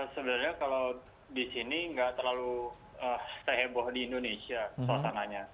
sebenarnya kalau di sini nggak terlalu seheboh di indonesia suasananya